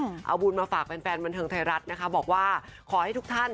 เอาบุญมาฝากแฟนแฟนบันเทิงไทยรัฐนะคะบอกว่าขอให้ทุกท่าน